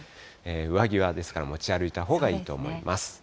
上着はですから持ち歩いたほうがいいと思います。